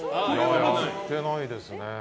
やってないですね。